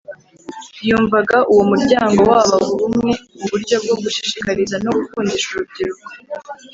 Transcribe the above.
yumvaga uwo muryango waba bumwe mu buryo bwo gushishikariza no gukundisha urubyiruko